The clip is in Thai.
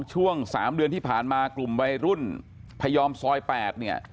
ช่วง๓เดือนที่ผ่านมากลุ่มวัยรุ่นพยอมซอย๘เนี่ย